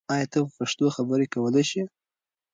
آیا ته په پښتو خبرې کولای سې؟